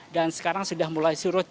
dan sekarang sudah mulai surut